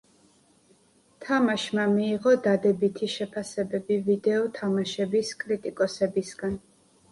თამაშმა მიიღო დადებითი შეფასებები ვიდეო თამაშების კრიტიკოსებისგან.